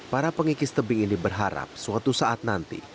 para pengikis tebing ini berharap suatu saat nanti